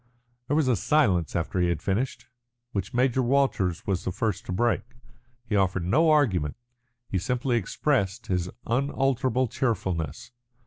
There was a silence after he had finished, which Major Walters was the first to break. He offered no argument he simply expressed again his unalterable cheerfulness.